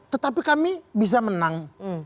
tetapi kami bisa menang